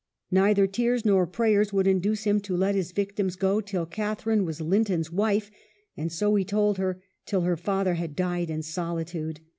Neither tears nor prayers would induce him to let his victims go till Catharine was Linton's wife, and so, he told her, till her father had died in soli tude.